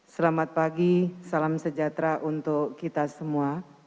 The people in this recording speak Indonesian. selamat pagi salam sejahtera untuk kita semua